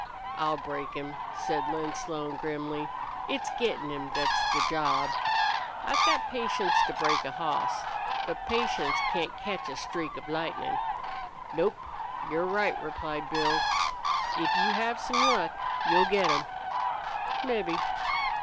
"I'll break him," said Lin Slone, grimly. "It's gettin' him thet's the job. I've got patience to break a hoss. But patience can't catch a streak of lightnin'." "Nope; you're right," replied Bill. "If you have some luck you'll get him mebbe.